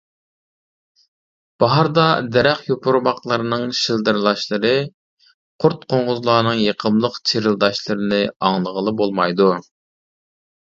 باھاردا دەرەخ يوپۇرماقلىرىنىڭ شىلدىرلاشلىرى، قۇرت-قوڭغۇزلارنىڭ يېقىملىق چىرىلداشلىرىنى ئاڭلىغىلى بولمايدۇ.